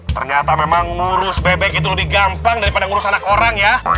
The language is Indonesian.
ternyata memang ngurus bebek itu lebih gampang daripada ngurus anak orang ya